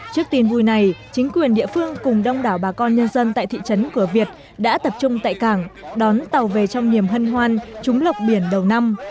trước tin vui này chính quyền địa phương cùng đông đảo bà con nhân dân tại thị trấn cửa việt đã tập trung tại cảng đón tàu về trong niềm hân hoan trúng lọc biển đầu năm